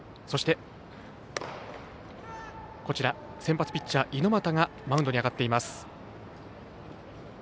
そして、先発ピッチャー猪俣がマウンドに上がっています。